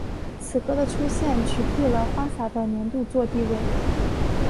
此歌的出现取替了花洒的年度作地位。